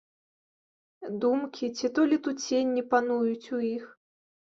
Думкі ці то летуценні пануюць у іх.